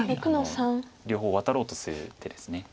両方ワタろうとする手です。